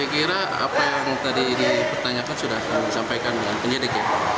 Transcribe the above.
saya kira apa yang tadi dipertanyakan sudah kami sampaikan dengan penyidik ya